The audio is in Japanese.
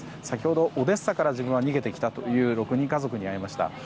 先ほど、オデッサから逃げてきたという６人家族に会いました。